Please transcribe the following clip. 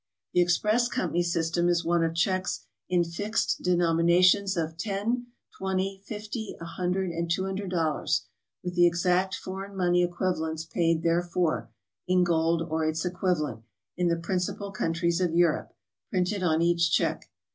The express company system is one of checks in fixed denominations of $10, $20, $50, $100, and $200, with the exact foreign money equivalents paid therefor (in gold or its equivalent) in the principal countries of Europe, printed on each check.